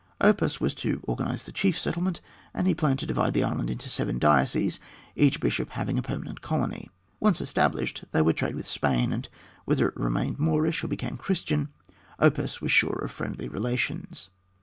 Oppas was to organize the chief settlement, and he planned to divide the island into seven dioceses, each bishop having a permanent colony. Once established, they would trade with Spain, and whether it remained Moorish or became Christian, Oppas was sure of friendly relations.